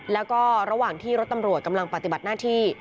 แล้วก็ระหว่างที่รถตำรวจกำลังปฏิบัติหน้าที่